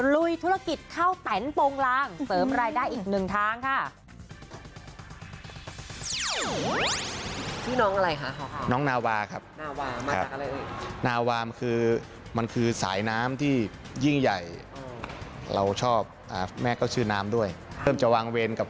ลุยธุรกิจข้าวแตนโปรงลางเสริมรายได้อีกหนึ่งทางค่ะ